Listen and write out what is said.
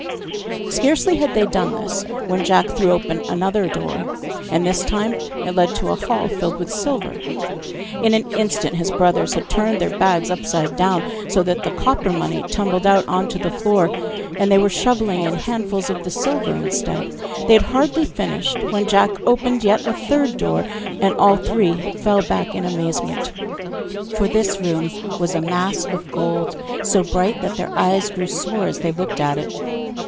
Scarcely had they done this when Jack threw open another door, and this time it led to a hall filled with silver. In an instant his brothers had turned their bags upside down, so that the copper money tumbled out on to the floor, and were shovelling in handfuls of the silver instead. They had hardly finished, when Jack opened yet a third door, and all three fell back in amazement, for this room as a mass of gold, so bright that their eyes grew sore as they looked at it.